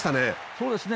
そうですね。